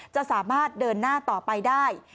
จะสามารถเดินหน้าต่อไปได้